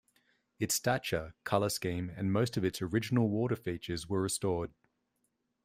Its stature, colour scheme and most of its original water features were restored.